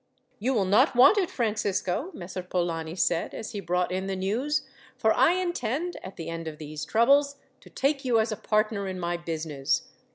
"You will not want it, Francisco," Messer Polani said, as he brought in the news, "for I intend, at the end of these troubles, to take you as a partner in my business.